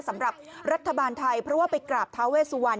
สำหรับรัฐบาลไทยเพราะว่าไปกราบเท้าเวสุวรรณ